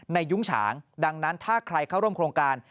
ยุ้งฉางดังนั้นถ้าใครเข้าร่วมโครงการ